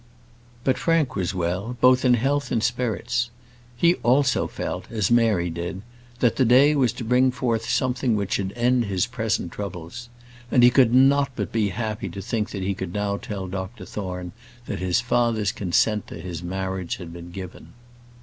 But Frank was well; both in health and spirits. He also felt as Mary did, that the day was to bring forth something which should end his present troubles; and he could not but be happy to think that he could now tell Dr Thorne that his father's consent to his marriage had been given.